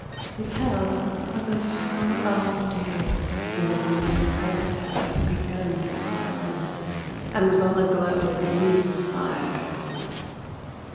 They tell of those far off days when the molten granite had but begun to harden, and was all aglow with the hues of fire.